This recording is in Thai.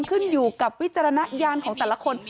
ขึ้นอยู่กับวิจารณญาณของแต่ละคน